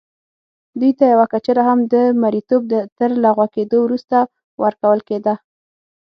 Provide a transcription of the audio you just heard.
دوی ته یوه کچره هم د مریتوب تر لغوه کېدو وروسته ورکول کېده.